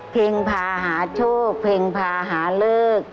เพลงพาหาโชคเพลงพาหาเลิก